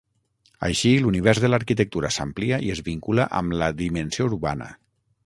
Així l'univers de l'arquitectura s'amplia i es vincula amb la dimensió urbana.